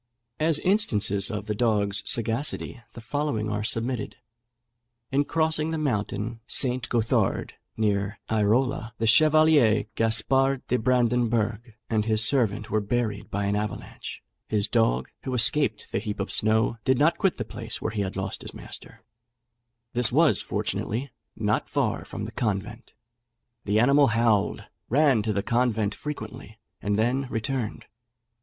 As instances of the dog's sagacity, the following are submitted. In crossing the mountain St. Gothard, near Airola, the Chevalier Gaspard de Brandenberg and his servant were buried by an avalanche; his dog, who escaped the heap of snow, did not quit the place where he had lost his master: this was, fortunately, not far from the convent; the animal howled, ran to the convent frequently, and then returned.